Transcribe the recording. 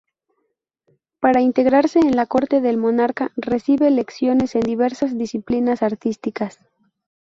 Para integrarse en la corte del monarca, recibe lecciones en diversas disciplinas artísticas.